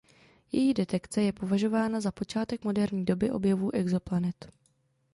Její detekce je považována za počátek moderní doby objevů exoplanet.